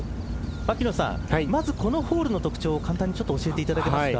牧野さん、まずこのホールの特徴を簡単に教えていただけますか。